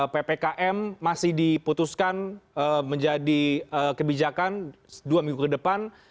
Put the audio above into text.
ppkm masih diputuskan menjadi kebijakan dua minggu ke depan